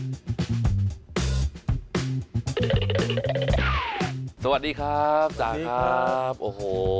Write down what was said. สวัสดีครับสวัสดีครับสวัสดีครับโอ้โห